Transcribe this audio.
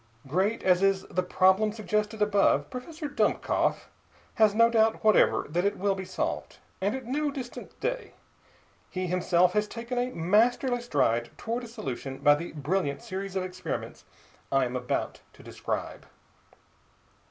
Great as is the problem suggested above, Professor Dummkopf has no doubt whatever that it will be solved, and at no distant day. He himself has taken a masterly stride toward a solution by the brilliant series of experiments I am about to describe.